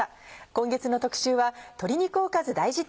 今月の特集は鶏肉おかず大事典。